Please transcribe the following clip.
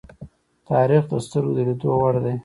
تاریخ د سترگو د لیدو وړ دی.